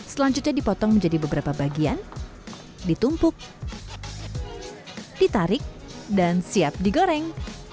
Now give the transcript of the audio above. selanjutnya dipotong menjadi beberapa bagian ditumpuk ditarik dan siap digoreng